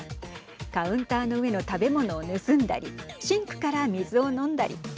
カウンターの上の食べ物を盗んだりシンクから水を飲んだり。